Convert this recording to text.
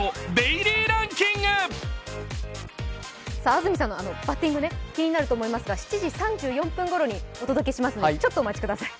安住さんのバッティング、気になると思いますが７時３４分ごろにお届けします、ちょっとお待ちください。